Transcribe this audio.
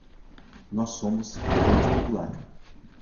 Nós somos a Frente Popular!